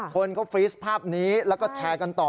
คนก็ฟรีสภาพนี้แล้วก็แชร์กันต่อ